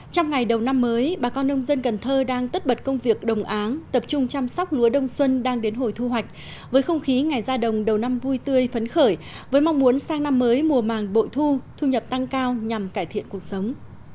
trong ngày đầu năm mới bà con nông dân cần thơ đang tất bật công việc đồng áng tập trung chăm sóc lúa đông xuân đang đến hồi thu hoạch với không khí ngày ra đồng đầu năm vui tươi phấn khởi với mong muốn sang năm mới mùa màng bội thu thu nhập tăng cao nhằm cải thiện cuộc sống